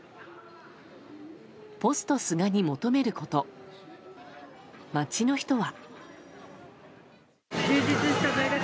ポスト菅に求めること街の人は。